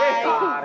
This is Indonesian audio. eh karin sudah